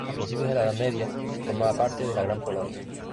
A principios de la Edad Media, formaba parte de la Gran Polonia.